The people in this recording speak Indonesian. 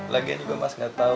lagian juga mas gak tahu